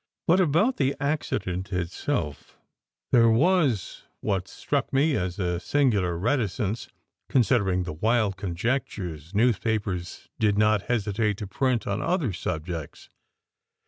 But about the accident itself there was what struck me as a singular reticence, considering the wild conjectures news papers did not hesitate to print on other subjects.